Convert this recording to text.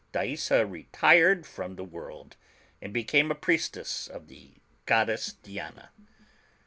Thaisa retired from the world, and be came a priestess of the goddess Diana.